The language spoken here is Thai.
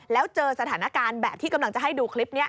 แล้วเจอสถานการณ์แบบที่กำลังจะให้ดูคลิปนี้